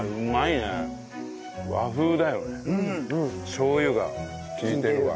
しょう油が利いてるわ。